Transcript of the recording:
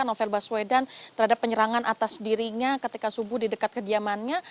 novel baswedan terhadap penyerangan atas dirinya ketika subuh di dekat kediamannya